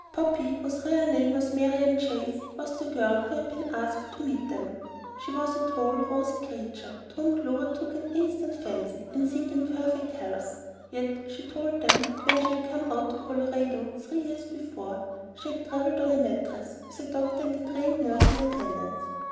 "Poppy," whose real name was Marian Chase, was the girl who had been asked to meet them. She was a tall, rosy creature, to whom Clover took an instant fancy, and seemed in perfect health; yet she told them that when she came out to Colorado three years before, she had travelled on a mattress, with a doctor and a trained nurse in attendance.